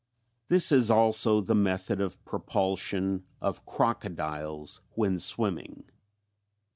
This is also the method of propulsion of crocodiles when swimming.